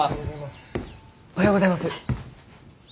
おはようございます。